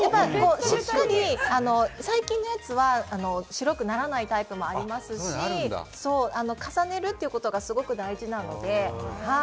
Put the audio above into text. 最近のやつは白くならないタイプもありますし、重ねるということがすごく大事なので。